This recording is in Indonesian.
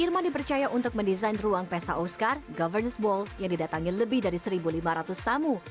irman dipercaya untuk mendesain ruang pesa oscar goverse ball yang didatangi lebih dari satu lima ratus tamu